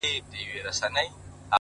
د زړورتیا اصل د وېرې منل دي